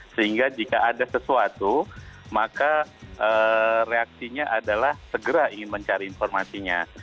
sehingga jika ada sesuatu maka reaksinya adalah segera ingin mencari informasinya